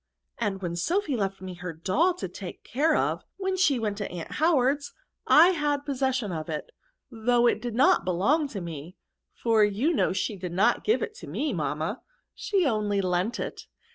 And when Sophy left me her doll to take care of, when she went to aunt Howard's, I had possession of it, though it did not be long to me, for you know she did not give it to me, mamma, she only lent it.